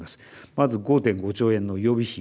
まず、５．５兆円の予備費